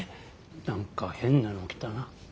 何か変なの来たな。